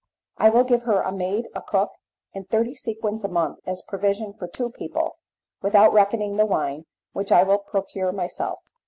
I will give her a maid, a cook, and thirty sequins a month as provision for two people, without reckoning the wine, which I will procure myself.